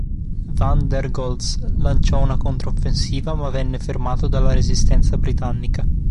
Van der Goltz lanciò una controffensiva ma venne fermato dalla resistenza britannica.